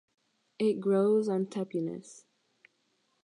It grows on tepuis.